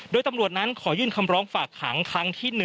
โดยตำรวจนั้นขอยื่นคำร้องฝากขังครั้งที่๑